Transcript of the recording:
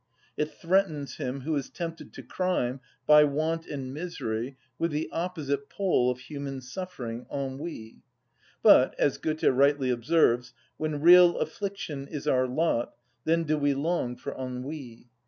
It threatens him who is tempted to crime by want and misery with the opposite pole of human suffering, ennui: but, as Goethe rightly observes— "When real affliction is our lot, Then do we long for ennui."